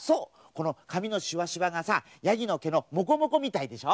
このかみのしわしわがさヤギのけのモコモコみたいでしょ？